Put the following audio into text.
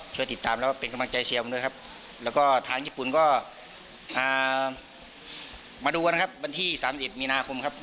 ช่วยติดตามแล้วก็เป็นกำลังใจเชียวผมด้วยครับ